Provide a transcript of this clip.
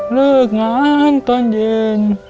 เลิกงานตอนเย็น